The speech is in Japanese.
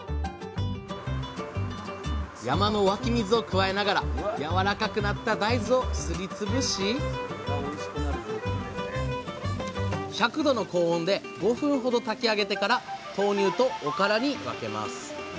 山の湧き水を加えながらやわらかくなった大豆をすり潰し１００℃の高温で５分ほど炊き上げてから豆乳とおからに分けます。